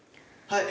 はい！